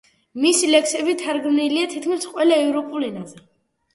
მისი ლექსები თარგმნილია თითქმის ყველა ევროპულ ენაზე.